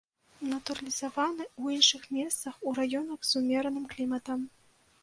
Натуралізаваны ў іншых месцах, у раёнах з умераным кліматам.